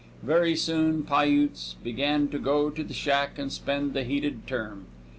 Very soon Piutes began to go to the shack to spend the heated term.